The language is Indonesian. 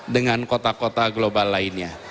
dengan kota kota global lainnya